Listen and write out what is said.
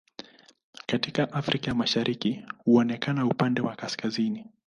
Katika Afrika ya Mashariki huonekana upande wa kaskazini.